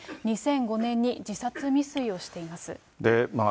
２００５年に自殺未遂をしています。